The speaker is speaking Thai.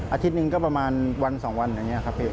อาทิตย์หนึ่งก็ประมาณวันสองวันอย่างนี้ครับพี่